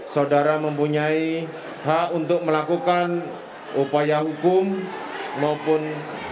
saudara mempunyai hak untuk melakukan upaya hukum maupun